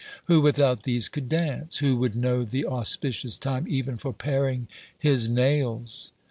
Who without these could dance? Who would know the auspicious time even for paring his nails